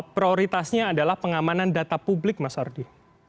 prioritasnya adalah pengamanan data publik mas ardi